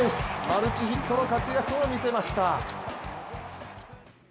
マルチヒットの活躍を見せました。